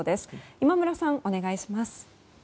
今村さん、お願いします。